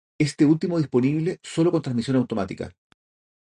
Este último disponible solo con transmisión automática.